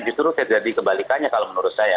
justru terjadi kebalikannya kalau menurut saya